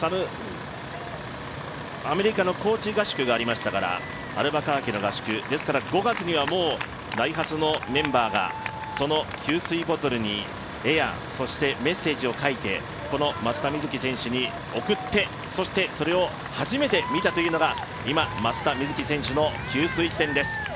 アメリカの高地合宿がありましたからアルバカーキの合宿、ですから５月にはもうダイハツのメンバーがその給水ボトルに絵やそしてメッセージを書いて、松田瑞生選手に送ってそしてそれを初めて見たというのが今、松田瑞生選手の給水地点です。